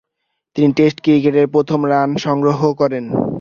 তিনি টেস্ট ক্রিকেটের প্রথম রান সংগ্রহ করেন।